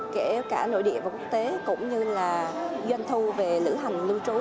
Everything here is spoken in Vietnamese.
kể cả nội địa và quốc tế cũng như là dân thu về lưu hành lưu trú